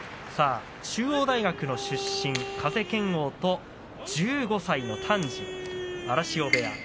中央大学の出身、風賢央と１５歳の丹治、荒汐部屋。